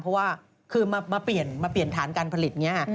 เพราะว่าคือมาเปลี่ยนฐานการผลิตนี้